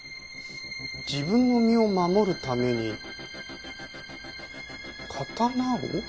自分の身を守るために刀を？